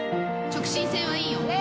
直進性はいいよ。